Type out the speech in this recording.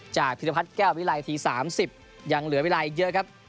พิรพัฒน์แก้ววิลัยนาที๓๐ยังเหลือเวลาอีกเยอะครับ